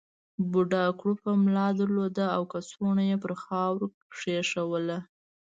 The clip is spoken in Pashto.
بوډا کړوپه ملا درلوده او کڅوړه یې پر خاورو کېښوده.